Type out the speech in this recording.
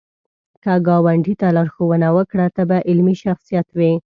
که ګاونډي ته لارښوونه وکړه، ته به علمي شخصیت وې